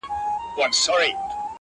نو د دواړو خواوو تول به برابر وي؛